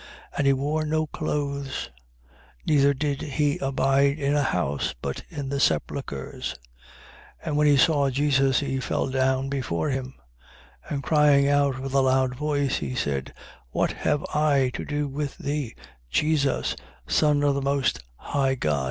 And he wore no clothes: neither did he abide in a house, but in the sepulchres. 8:28. And when he saw Jesus, he fell down before him. And crying out with a loud voice, he said: What have I to do with thee, Jesus, Son of the most high God?